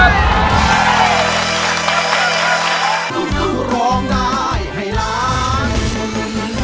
สู้ครับ